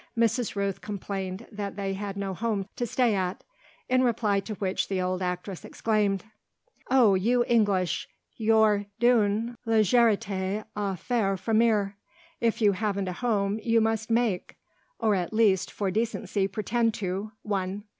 Mrs. Rooth complained that they had no home to stay at; in reply to which the old actress exclaimed: "Oh you English, you're d'une légèreté à faire frémir. If you haven't a home you must make, or at least for decency pretend to, one.